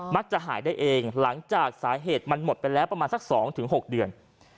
จะหายได้เองหลังจากสาเหตุมันหมดไปแล้วประมาณสัก๒๖เดือน